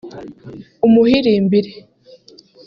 Umuhirimbiri